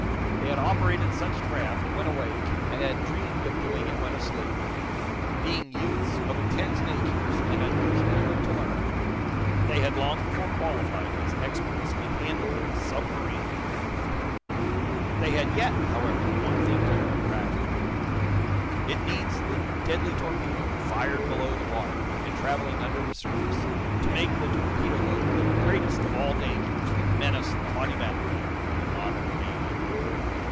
They had operated such craft, when awake, and had dreamed of doing it when asleep. Being youths of intense natures, and unusually quick to learn, they had long before qualified as experts in handling submarine craft. They had yet, however, one thing to learn practically. It needs the deadly torpedo, fired below the water, and traveling under the surface, to make the torpedo boat the greatest of all dangers that menace the haughty battleship of a modern navy.